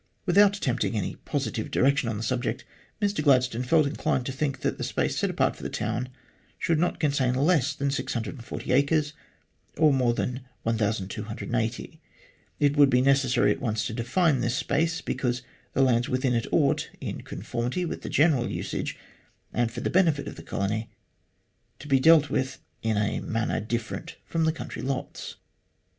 Without attempting any positive direction on the subject, Mr Gladstone felt inclined to think that the space set apart for the town should not contain less than 640 acres, or more than 1280. It would be necessary at once to define this space, because the lands within it ought, in conformity with the general usage, and for the benefit of the colony, to be dealt with in a manner different from country lots.